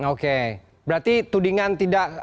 oke berarti tudingan tidak